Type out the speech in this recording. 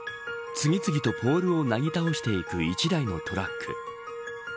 次々とボールをなぎ倒していく１台のトラック。